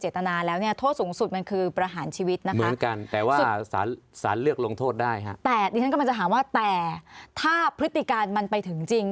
แต่ถ้าพฤติการมันไปถึงจริง